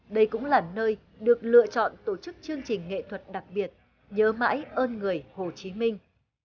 đây cũng là nơi được lựa chọn tổ chức chương trình nghệ thuật đặc biệt nhớ ơn người hồ chí minh